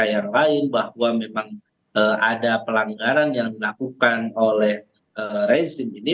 yang lain bahwa memang ada pelanggaran yang dilakukan oleh rezim ini